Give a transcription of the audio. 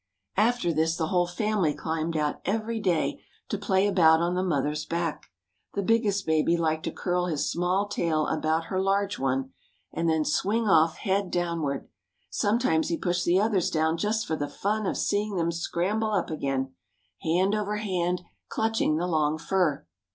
After this the whole family climbed out every day to play about on the mother's back. The biggest baby liked to curl his small tail about her large one, and then swing off head downward. Sometimes he pushed the others down just for the fun of seeing them scramble up again, hand over hand, clutching the long fur.